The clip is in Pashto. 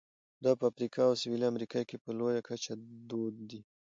دا په افریقا او سوېلي امریکا کې په لویه کچه دود دي.